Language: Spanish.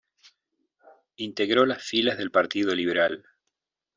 Integró las filas del Partido Liberal.